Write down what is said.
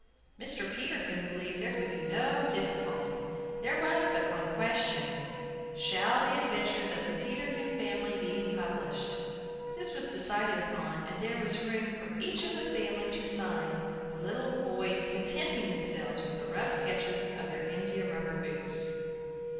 Mr. Peterkin believed there could be no difficulty, there was but one question: Shall the adventures of the Peterkin family be published? This was decided upon, and there was room for each of the family to sign, the little boys contenting themselves with rough sketches of their india rubber boots.